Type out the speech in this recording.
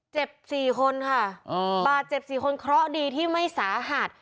เจ็บ๔คนค่ะบาดเจ็บ๔คนเคราะห์ดีที่ไม่สาหัส